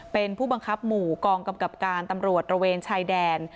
เป็นผู้บังคับหมู่กองกำกับการตำรวจระเวนชายแดน